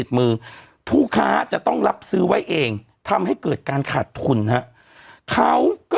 มือผู้ค้าจะต้องรับซื้อไว้เองทำให้เกิดการขาดทุนฮะเขาก็